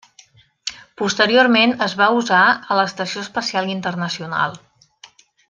Posteriorment es va usar a l'Estació Espacial Internacional.